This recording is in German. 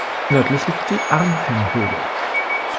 Nördlich liegt die Arnhem-Höhle.